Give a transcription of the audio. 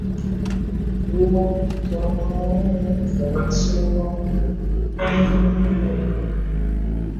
নিম্ন হিমালয়-এ অবস্থিত।